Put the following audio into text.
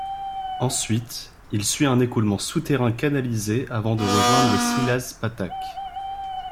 Ensuite, il suit un écoulement souterrain canalisé avant de rejoindre le Szilas-patak.